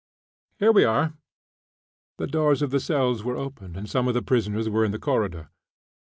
Here we are." The doors of the cells were open, and some of the prisoners were in the corridor.